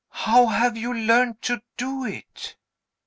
How have you learned to do it?"